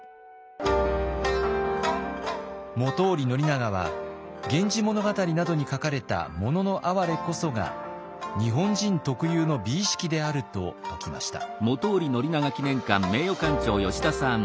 本居宣長は「源氏物語」などに書かれた「もののあはれ」こそが日本人特有の美意識であると説きました。